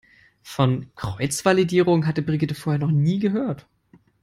Von Kreuzvalidierung hatte Brigitte vorher noch nie gehört.